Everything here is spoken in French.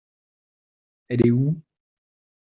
Elle est où ?